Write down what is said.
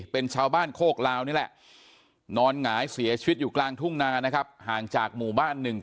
เป็นชาวบ้านโคกลาวนี่แหละนอนหงายเสียชีวิตอยู่กลางทุ่งนานะครับ